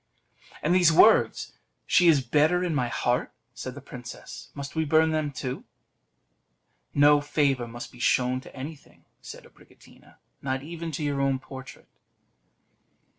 "And these words 'She is better in my heart,'" said the princess; "must we burn them too?" "No favour must be shown to anything," said Abricotina, "not even to your own portrait."